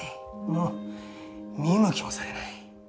もう見向きもされない。